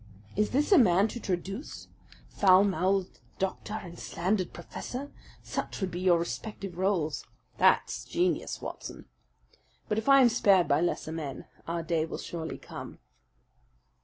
Is this a man to traduce? Foul mouthed doctor and slandered professor such would be your respective roles! That's genius, Watson. But if I am spared by lesser men, our day will surely come."